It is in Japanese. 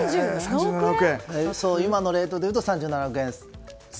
今のレートでいうと３７億円ですね。